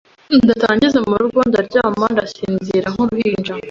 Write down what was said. ndataha njyeze mu rugo ndaryama ndasinzira nk’uruhinja